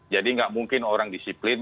jadi gak mungkin orang disiplin